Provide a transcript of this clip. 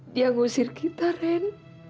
dia ngusir kita ren